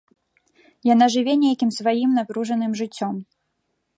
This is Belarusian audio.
Яна жыве нейкім сваім напружаным жыццём.